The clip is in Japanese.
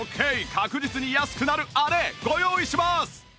確実に安くなるあれご用意します！